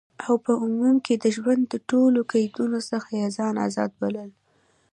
او په عموم کی د ژوند د ټولو قیدونو څخه یی ځان آزاد بلل،